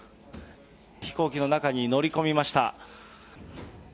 飛行機の中に乗り込みました。